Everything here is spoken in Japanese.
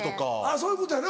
そういうことやな